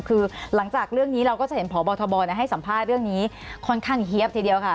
คือหลังจากเรื่องนี้เราก็จะเห็นพบทบให้สัมภาษณ์เรื่องนี้ค่อนข้างเฮียบทีเดียวค่ะ